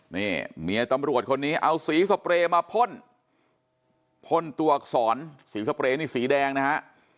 นี่เมียตำรวจคนนี้เอาสีสเปรย์มาพ่นพ่นตัวอักษรสีสเปรย์นี่สีแดงนะฮะ